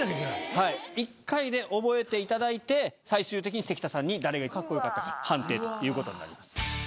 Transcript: はい１回で覚えていただいて最終的に関田さんに誰が格好良かったか判定ということになります。